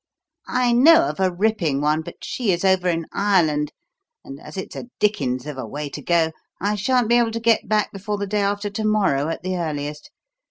I know of a ripping one, but she is over in Ireland, and as it's a dickens of a way to go, I shan't be able to get back before the day after to morrow at the earliest.